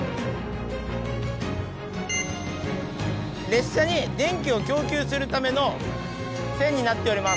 列車に電気を供給するための線になっております。